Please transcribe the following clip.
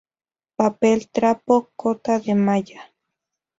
Papel trapo, cota de malla.